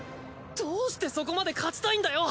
どうしてそこまで勝ちたいんだよ！？